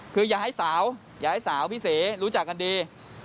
คืออย่าให้สาวอย่าให้สาวพี่เสรู้จักกันดี